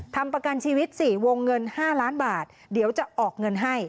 ทำประกันชีวิต๔วงเงิน๕ล้านบาทเดี๋ยวจะออกเงินให้